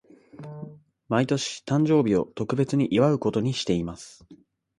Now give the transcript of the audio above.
毎年、誕生日を特別に祝うことにしています。